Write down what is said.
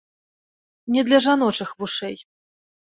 Не для жаночых вушэй.